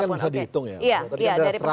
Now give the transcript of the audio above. tadi kan bisa dihitung ya